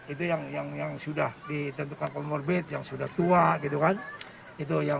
itu yang sudah ditentukan komorbit yang sudah tua